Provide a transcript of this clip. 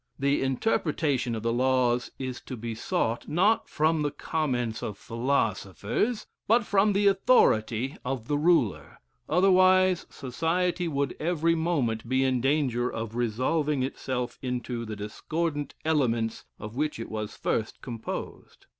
The interpretation of the laws is to be sought, not from the comments of philosophers, but from the authority of the ruler; otherwise society would every moment be in danger of resolving itself into the discordant elements of which it was at first composed.